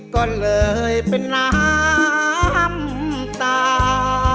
ก็เลยเป็นน้ำตา